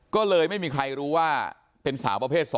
ก็เลยไม่มีใครรู้ว่าเป็นสาวประเภท๒